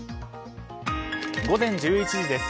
午前１１時です。